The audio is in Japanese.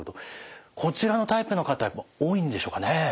こちらのタイプの方やっぱり多いんでしょうかね。